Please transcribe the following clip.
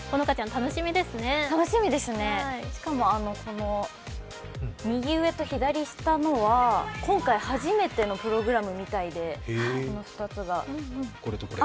楽しみですね、しかも右上と左下のは今回初めてのプログラムみたいで、この２つが。